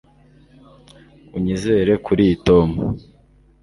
Unyizere kuriyi Tom